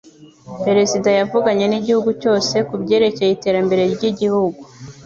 Perezida yavuganye n'igihugu cyose kubyerekeye iterambere ry’igihugu.